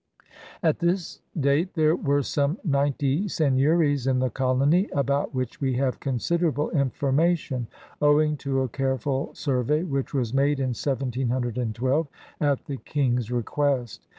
At this date there were some ninety seigneuries in the colony, about which we have considerable information owing to a careful survey which was made in 1712 at the King's request.